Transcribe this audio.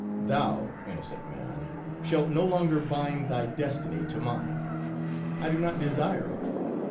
Thou, innocent man, shalt no longer bind thy destiny to mine. I do not desire it.